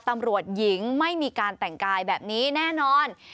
ตำรวจหญิงไม่มีการแต่งกายแบบนี้แน่นอน